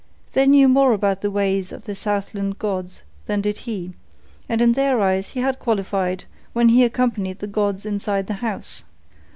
They knew more about the ways of the Southland gods than did he, and in their eyes he had qualified when he accompanied the gods inside the house.